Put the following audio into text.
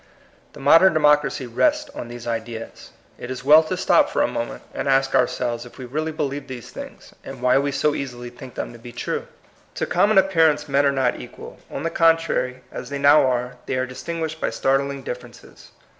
The modern de mocracy rests on these ideas. It is well to stop for a moment, and ask ourselves if we really believe these things, and why we so easily think them to be true. To common appearance men are not equal. On the contrary, as they now are, they are distinguished by startling differ ences.